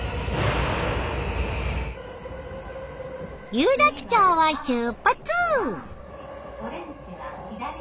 有楽町を出発！